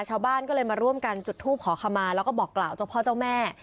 ชาวบ้านก็เลยมาร่วมกันจุดทูปขอขมาแล้วก็บอกกล่าวเจ้าพ่อเจ้าแม่